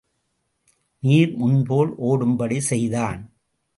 நீர் முன்போல் ஓடும்படி செய்தான்.